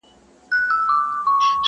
هسي نه چي ستا په لاره کي اغزی سي.!